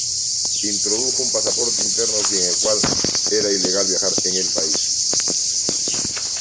Introdujo un pasaporte interno sin el cual era ilegal viajar en el país.